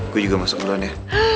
gue juga masuk duluan ya